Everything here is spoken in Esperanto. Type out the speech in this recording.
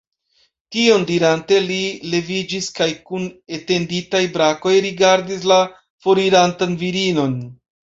Tion dirante, li leviĝis kaj kun etenditaj brakoj rigardis la forirantan virinon.